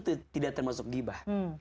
itu tidak termasuk gibah